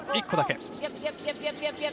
１個だけ。